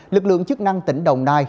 lực lượng chức năng tỉnh đồng nai